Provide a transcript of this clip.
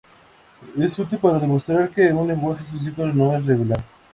Es útil para demostrar que un lenguaje específico no es regular.